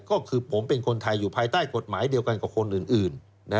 ก็คือผมเป็นคนไทยอยู่ภายใต้กฎหมายเดียวกันกับคนอื่น